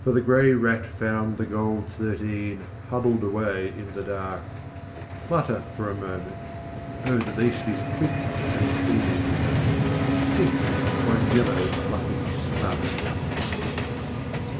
For the grey rat found the gold thirteen Huddled away in the dark, Flutter for a moment, oh the beast is quick and keen, Extinct one yellow fluffy spark.